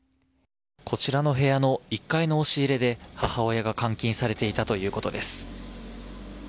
こちらの部屋の１階の押し入れで母親が監禁されていたということです。